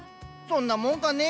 そんなもんかね。